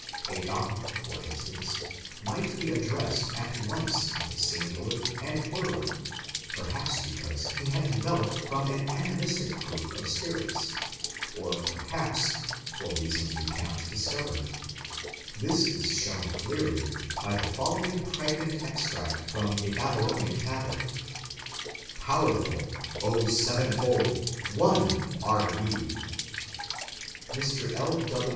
A god, for instance, might be addressed at once in the singular and plural, perhaps because he had developed from an animistic group of spirits, or, perhaps, for reasons we cannot discover. This is shown clearly by the following pregnant extract from a Babylonian tablet: "Powerful, O Sevenfold, one are ye". Mr.